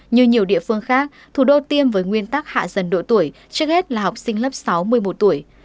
như nhiều địa phương khác thủ đô tiêm với nguyên tắc hạ dần độ tuổi trước hết là học sinh lớp sáu một mươi một tuổi